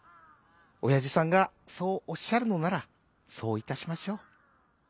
おやじさんがそうおっしゃるのならそういたしましょう」。